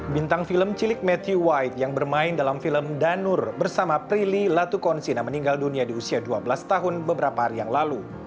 bintang film cilik matthew white yang bermain dalam film danur bersama prilly latukonsina meninggal dunia di usia dua belas tahun beberapa hari yang lalu